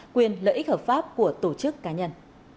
quyền lợi ích hợp pháp của tổ chức cá nhân